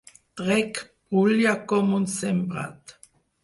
Trec brulla com un sembrat.